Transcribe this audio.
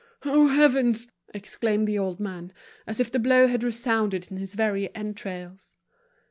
"Oh, heavens!" exclaimed the old man, as if the blow had resounded in his very entrails.